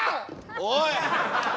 おい！